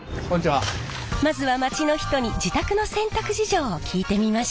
まずは街の人に自宅の洗濯事情を聞いてみました。